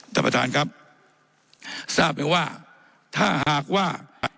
ท่านประธานครับทราบไหมว่าถ้าหากว่า